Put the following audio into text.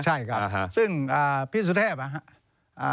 ใช่ครับซึ่งพี่สุเทพฮะ